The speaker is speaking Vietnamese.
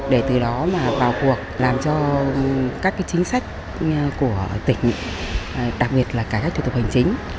để từ đó mà vào cuộc làm cho các chính sách của tỉnh đặc biệt là cải cách thủ tục hành chính